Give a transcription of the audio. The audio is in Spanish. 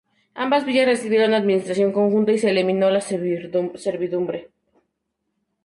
Ambas villas recibieron administración conjunta y se eliminó la servidumbre.